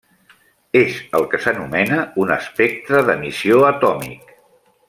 És el que s'anomena un espectre d'emissió atòmic.